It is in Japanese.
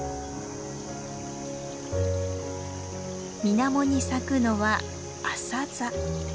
水面に咲くのはアサザ。